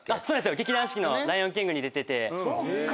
劇団四季の『ライオンキング』に出てて。